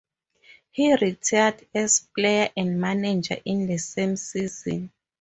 He retired as player and manager in the same season.